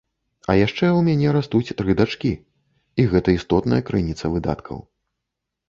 А яшчэ ў мяне растуць тры дачкі, і гэта істотная крыніца выдаткаў.